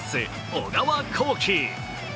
小川航基。